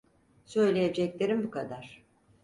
Söyleyeceklerim bu kadar.